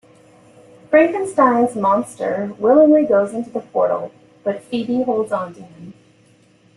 Frankenstein's monster willingly goes into the portal, but Phoebe holds onto him.